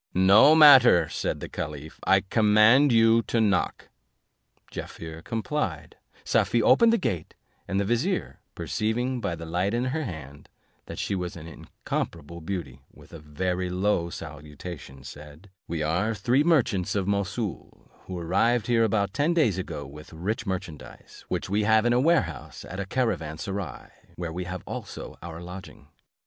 "No matter," said the caliph, "I command you to knock." Jaaffier complied; Safie opened the gate, and the vizier, perceiving by the light in her hand, that she was an incomparable beauty, with a very low salutation said, "We are three merchants of Mossoul, who arrived here about ten days ago with rich merchandise, which we have in a warehouse at a caravan serai, where we have also our lodging.